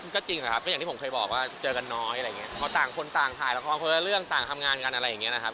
ก็จริงแหละครับก็อย่างที่ผมเคยบอกว่าเจอกันน้อยอะไรอย่างเงี้พอต่างคนต่างถ่ายละครคนละเรื่องต่างทำงานกันอะไรอย่างเงี้นะครับ